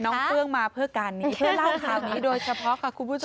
เฟื้องมาเพื่อการนี้เพื่อเล่าข่าวนี้โดยเฉพาะค่ะคุณผู้ชม